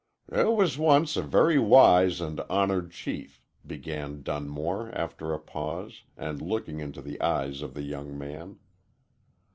"There was once a very wise and honored chief," began Dunmore, after a pause, and looking into the eyes of the young man.